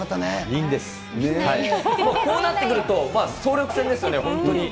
こうなってくると総力戦ですよね、本当に。